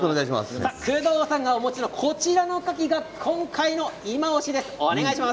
お持ちのこちらのカキが今回のいまオシです。